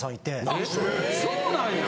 あっそうなんや。